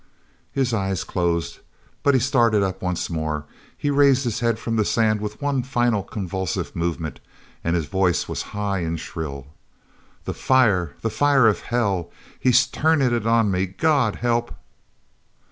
His eyes closed. But he started up once more; he raised his head from the sand with one final convulsive movement, and his voice was high and shrill. "The fire! The fire of hell! He's turnin' it on me! God help...."